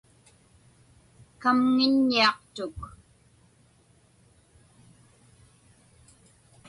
Kamŋiññiaqtuk.